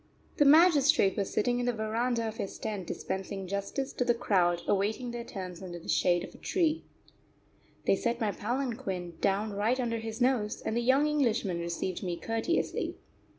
The magistrate was sitting in the verandah of his tent dispensing justice to the crowd awaiting their turns under the shade of a tree. They set my palanquin down right under his nose, and the young Englishman received me courteously.